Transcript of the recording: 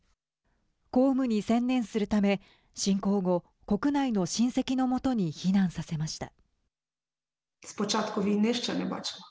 公務に専念するため侵攻後、国内の親戚の元に避難させました。